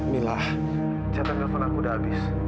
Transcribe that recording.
mila catat telepon aku udah habis